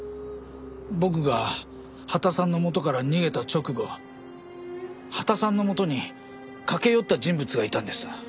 僕が羽田さんのもとから逃げた直後羽田さんのもとに駆け寄った人物がいたんです。